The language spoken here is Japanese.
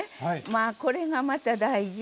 まあこれがまた大事。